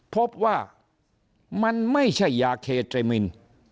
พบว่ามันไม่ใช่ยาเครมิน